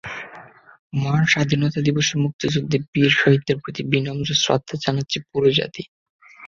মহান স্বাধীনতা দিবসে মুক্তিযুদ্ধে বীর শহীদদের প্রতি বিনম্র শ্রদ্ধা জানাচ্ছে পুরো জাতি।